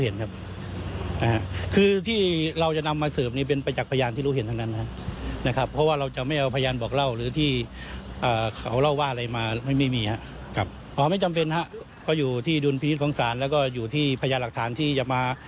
นี่แหละอีกคนนึงเป็นใครนะฮะฟังเสียงธนายหน่อยฮะ